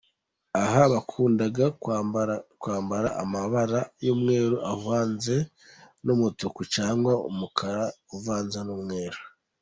Aha bakundaga kwambara amabara y’umweru uvanze n’umutuku cyangwa umukara uvanze n’umweru.